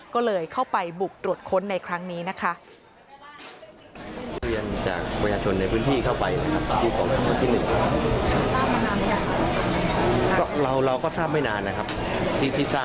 ก็เลยเข้าไปบุกตรวจค้นในครั้งนี้นะคะ